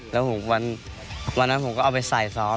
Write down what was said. แล้วผมวันนั้นผมแบบนี้ออกไปใส่ซอม